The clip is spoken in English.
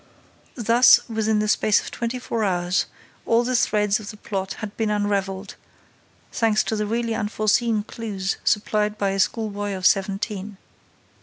Thus, within the space of twenty four hours, all the threads of the plot had been unraveled, thanks to the really unforeseen clues supplied by a schoolboy of seventeen.